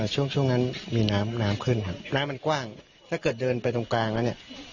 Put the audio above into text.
ช่วงนั้นน้ำน้ำขึ้นน้ำมันกว้างถ้าเดินไปตรงกลางเนี่ย